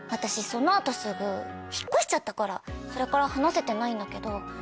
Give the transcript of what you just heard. その後すぐ引っ越しちゃったからそれから話せてないんだけど。